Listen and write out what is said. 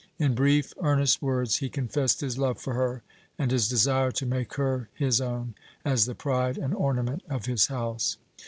In brief, earnest words he confessed his love for her, and his desire to make her his own, as the pride and ornament of his house.